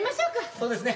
そうですね。